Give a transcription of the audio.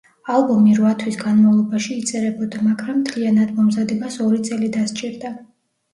ალბომი რვა თვის განმავლობაში იწერებოდა, მაგრამ მთლიანად მომზადებას ორი წელი დასჭირდა.